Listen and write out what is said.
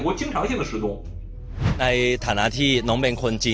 ไม่ใช่ว่าไทยไม่สามารถไป